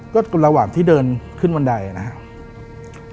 ก็ระหว่างที่เดินขึ้นบันไดนะครับ